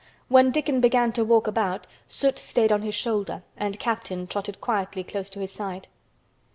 When Dickon began to walk about, Soot stayed on his shoulder and Captain trotted quietly close to his side.